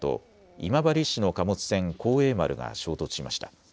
今治市の貨物船、幸栄丸が衝突しました。